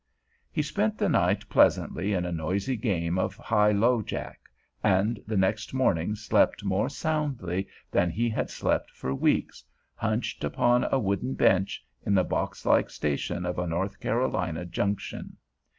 He spent the night pleasantly in a noisy game of high low jack, and the next morning slept more soundly than he had slept for weeks, hunched upon a wooden bench in the boxlike station of a North Carolina junction.